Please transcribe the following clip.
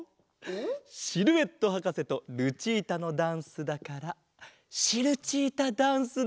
シルエットはかせとルチータのダンスだからシルチータダンスだ！